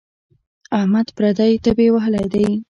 احمد پردۍ تبې وهلی دی.